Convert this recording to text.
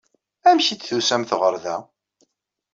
Amek ay d-tusamt ɣer da?